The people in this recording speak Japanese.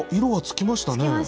色がつきましたね。